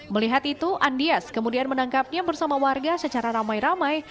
melihat itu andias kemudian menangkapnya bersama warga secara ramai ramai